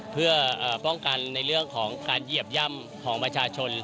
เพื่อป้องกันในเรื่องของการเหยียบย่ำของประชาชน